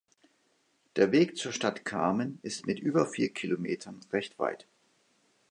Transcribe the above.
Der Weg zur Stadt Kamen ist mit über vier Kilometern recht weit.